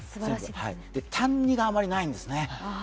単２があまりないんですね。